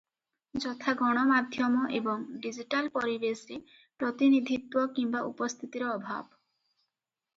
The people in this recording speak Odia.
ଯଥା ଗଣମାଧ୍ୟମ ଏବଂ ଡିଜିଟାଲ ପରିବେଶରେ ପ୍ରତିନିଧିତ୍ୱ କିମ୍ବା ଉପସ୍ଥିତିର ଅଭାବ ।